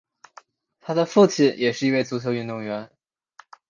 他的父亲也是一位足球运动员。